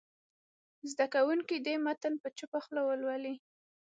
زده کوونکي دې متن په چوپه خوله ولولي.